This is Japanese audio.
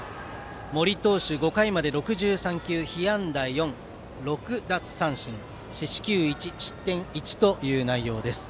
森投手、５回まで６３球被安打４、６奪三振、四死球１失点１という内容です。